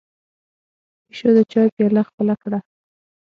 پيشو د چای پياله خپله کړه.